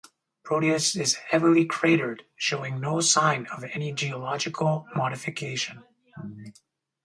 Proteus is heavily cratered, showing no sign of any geological modification.